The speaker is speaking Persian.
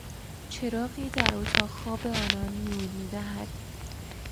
چراغی در اتاق خواب آنان نور میدهد.